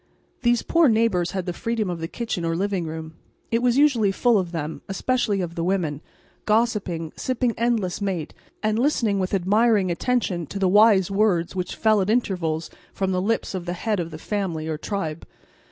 These poor neighbours had the freedom of the kitchen or living room; it was usually full of them, especially of the women, gossiping, sipping endless mate, and listening with admiring attention to the wise words which fell at intervals from the lips of the head of the family or tribe.